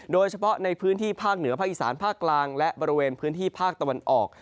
โดยเฉพาะในพื้นที่ภาคเหนือภาคอีสานภาคกลางและบริเวณพื้นที่ภาคตะวันออก